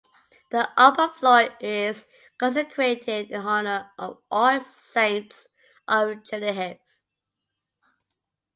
The upper floor is consecrated in honor of All Saints of Chernihiv.